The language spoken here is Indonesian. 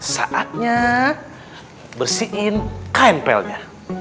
saatnya bersihin kaempelnya